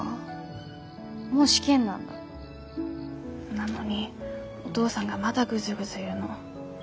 なのにお父さんがまだグズグズ言うの。